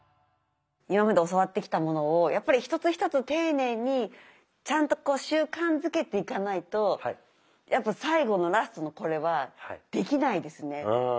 今まで教わってきたものをやっぱり一つ一つ丁寧にちゃんとこう習慣づけていかないとやっぱ最後のラストのこれはできないですね。